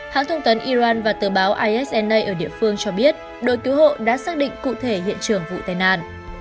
hãng thông tấn iran và tờ báo isna ở địa phương cho biết đội cứu hộ đã xác định cụ thể hiện trường vụ tai nạn